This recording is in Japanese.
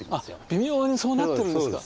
微妙にそうなってるんですか。